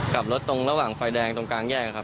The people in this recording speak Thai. กลับรถตรงระหว่างไฟแดงตรงกลางแยกครับ